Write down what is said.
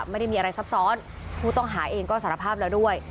ไม่ได้มีอะไรซับซ้อนผู้ต้องหาเองก็สารภาพแล้วด้วย